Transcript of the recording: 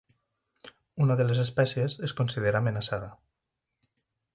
Una de les espècies es considera amenaçada.